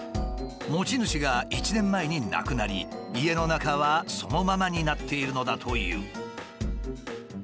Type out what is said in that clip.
持ち主が１年前に亡くなり家の中はそのままになっているのだという。